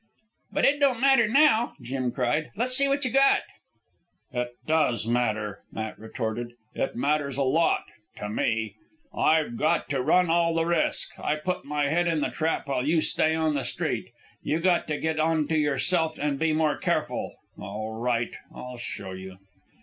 "But it don't matter now," Jim cried. "Let's see what you got." "It does matter," Matt retorted. "It matters a lot... to me. I've got to run all the risk. I put my head in the trap while you stay on the street. You got to get on to yourself an' be more careful. All right, I'll show you."